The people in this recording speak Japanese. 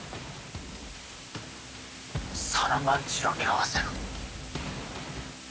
佐野万次郎に会わせろ。